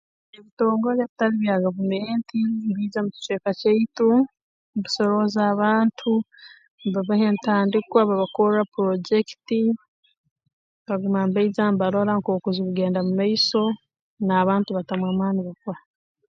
Ebitongole ebitali bya gavumenti mbiija mu kicweka kyaitu ntusorooza abantu mbabaha entandikwa babakorra purrojekiti baguma mbaija mbarora nk'oku zikugenda omu maiso n'abantu batamu amaani bakora